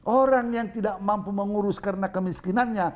orang yang tidak mampu mengurus karena kemiskinannya